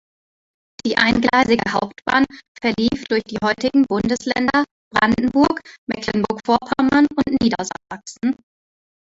Die eingleisige Hauptbahn verlief durch die heutigen Bundesländer Brandenburg, Mecklenburg-Vorpommern und Niedersachsen.